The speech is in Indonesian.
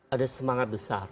ada semangat besar